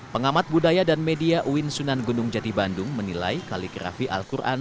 pengamat budaya dan media uin sunan gunung jati bandung menilai kaligrafi al quran